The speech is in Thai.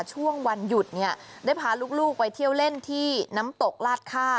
ช่วงวันหยุดเนี่ยได้พาลูกไปเที่ยวเล่นที่น้ำตกลาดค่า